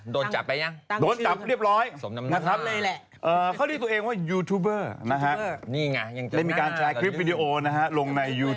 โดนจับไปยัง